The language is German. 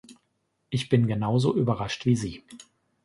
Ich bin genauso überrascht wie Sie.